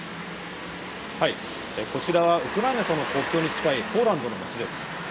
こちらはウクライナとの国境に近いポーランドの町です。